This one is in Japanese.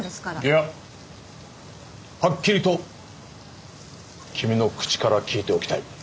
いや！はっきりと君の口から聞いておきたい。